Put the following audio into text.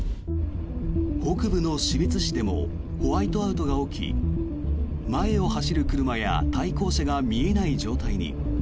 北部の士別市でもホワイトアウトが起き前を走る車や対向車が見えない状態に。